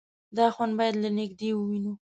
_دا خوند بايد له نږدې ووينو.